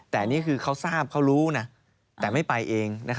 แต่อันนี้คือเขาทราบเขารู้นะแต่ไม่ไปเอง